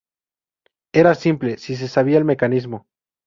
Era simple si se sabía el mecanismo.